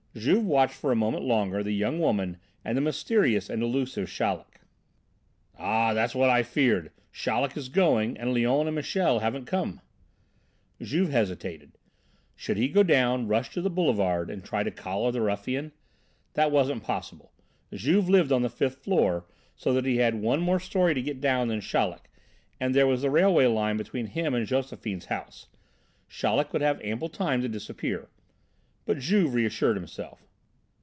Juve watched for a moment longer the young woman and the mysterious and elusive Chaleck. "Ah! that's what I feared! Chaleck is going and Léon and Michel haven't come!" Juve hesitated. Should he go down, rush to the Boulevard and try to collar the ruffian? That wasn't possible. Juve lived on the fifth floor, so that he had one more story to get down than Chaleck, then there was the railway line between him and Josephine's house. Chaleck would have ample time to disappear. But Juve reassured himself.